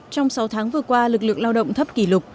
trong sáu tháng vừa qua lực lượng lao động thấp kỷ lục